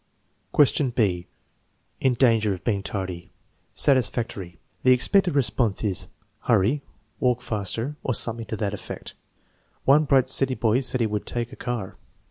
Question b (In danger of being tardy') Satisfactory. The expected response is, "Hurry," "Walk faster," or something to that effect. One bright city boy said he would take a car.